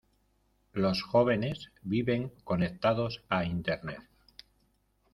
Los jóvenes viven conectados a Internet.